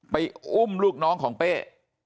อุ้มลูกน้องของเป้